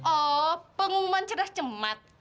oh pengumuman cerdas cermat